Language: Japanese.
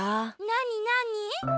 なになに？